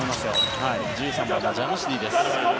１３番のジャムシディです。